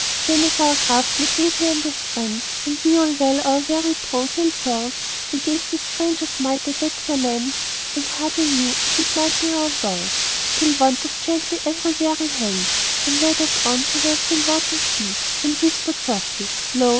"Then as our craft made safely on the strand, And we all well our weary brown sail furled, We gazed as strangers might at that fair land, And hardly knew if it might be our world; Till One took gently every weary hand, And led us on to where still waters be, And whispered softly, 'Lo!